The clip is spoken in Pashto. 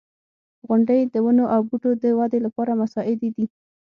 • غونډۍ د ونو او بوټو د ودې لپاره مساعدې دي.